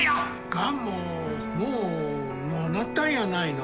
がんももうのうなったんやないの。